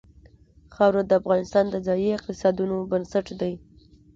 خاوره د افغانستان د ځایي اقتصادونو بنسټ دی.